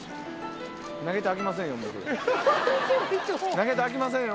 投げたらあきませんよ。